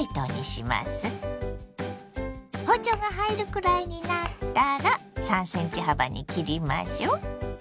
包丁が入るくらいになったら３ｃｍ幅に切りましょ。